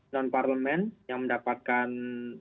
non parlemen yang mendapatkan